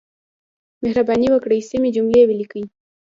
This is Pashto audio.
مهرباني وکړئ سمې جملې ولیکئ.